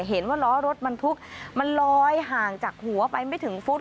เห็นว่าล้อรถบรรทุกมันลอยห่างจากหัวไปไม่ถึงฟุต